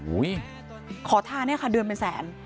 ขอทานเนี่ยค่ะเดือนเป็นแสน